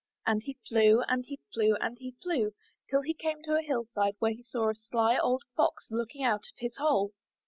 And he flew, and he flew, and he flew, till he came to a hillside where he saw a sly old Fox looking out of his hole.